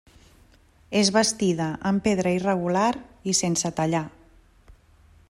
És bastida amb pedra irregular i sense tallar.